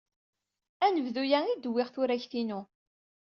Anebdu-a ay d-wwiɣ turagt-inu.